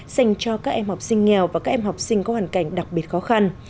dành cho các em học sinh nghèo và các em học sinh có hoàn cảnh đặc biệt khó khăn